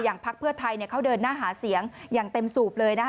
พักเพื่อไทยเขาเดินหน้าหาเสียงอย่างเต็มสูบเลยนะคะ